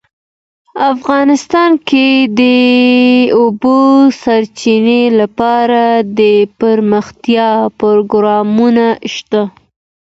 افغانستان کې د د اوبو سرچینې لپاره دپرمختیا پروګرامونه شته.